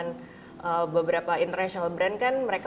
jadi kalau misalkan beberapa international brand mereka akan mencari kita